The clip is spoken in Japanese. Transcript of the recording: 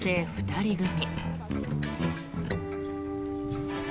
２人組。